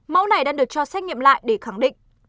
mẫu này đang được cho xét nghiệm lại để khẳng định